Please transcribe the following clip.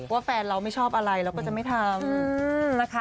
ว่าแฟนเราไม่ชอบอะไรเราก็จะไม่ทำ